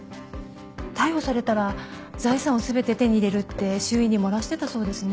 逮捕されたら財産を全て手に入れるって周囲に漏らしてたそうですね。